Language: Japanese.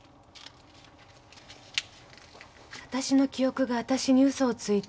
あたしの記憶があたしに嘘をついてる。